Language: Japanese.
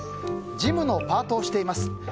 事務のパートをしています。